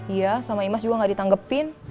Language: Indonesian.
iya sama imas juga gak ditanggepin